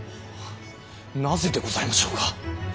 はぁなぜでございましょうか。